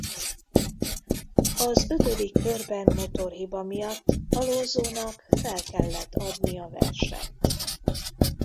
Az ötödik körben motorhiba miatt Alonsónak fel kellett adni a versenyt.